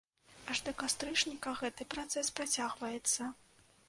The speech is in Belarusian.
Аж да кастрычніка гэты працэс працягваецца.